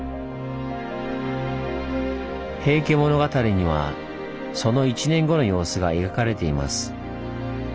「平家物語」にはその１年後の様子が描かれています。